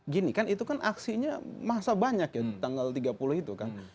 gini kan itu kan aksinya masa banyak ya tanggal tiga puluh itu kan